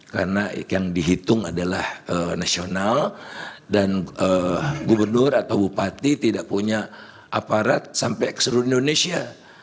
karena yang dihitung adalah nasional dan gubernur atau bupati tidak punya aparat sampai seluruh indonesia